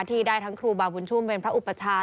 ที่ได้ทั้งครูบาบุญชุมเป็นพระอุปชา